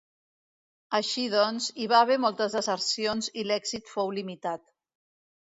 Així doncs, hi va haver moltes desercions i l'èxit fou limitat.